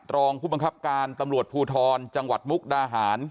รองผู้บังคับการตำรวจภูทรจังหวัดมุกดาหาร